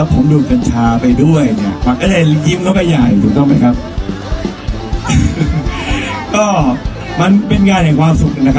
ผมดูกันชามาด้วยก็เลยยี่มให้เขาใหญ่